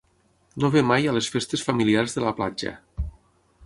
No ve mai a les festes familiars de la platja.